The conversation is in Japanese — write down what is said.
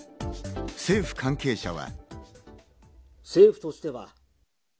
政府関係者は。